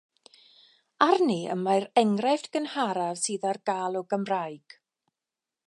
Arni y mae'r enghraifft gynharaf sydd ar gael o Gymraeg.